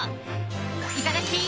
いただき！